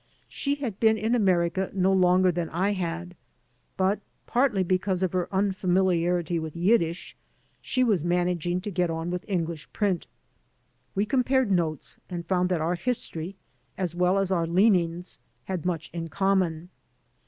She had been in America no longer than I had, but (partly because of her un f amiliarity with Yiddish) she was managing to get on with English print. We compared notes, and found that our history as well as our leanings had much in common.